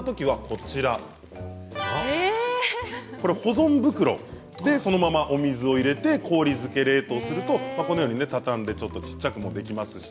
これ保存袋でそのままお水を入れて氷漬け冷凍するとこのようにね畳んでちょっとちっちゃくもできますし。